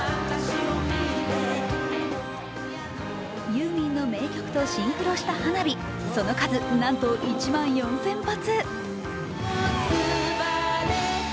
ユーミンの名曲とシンクロした花火、その数なんと１万４０００発。